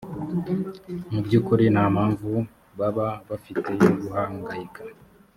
mu by’ukuri nta mpamvu baba bafite yo guhangayika